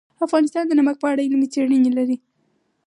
افغانستان د نمک په اړه علمي څېړنې لري.